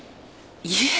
いえ。